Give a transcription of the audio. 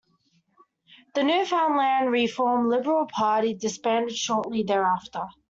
The Newfoundland Reform Liberal Party disbanded shortly thereafter.